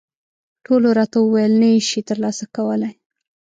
ټولو راته وویل، نه یې شې ترلاسه کولای.